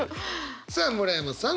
さあ村山さん